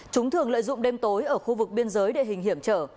chúng thường lợi dụng đêm tối ở khu vực biên giới địa hình hiểm trở